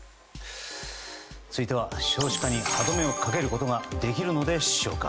続いては、少子化に歯止めをかけることができるのでしょうか。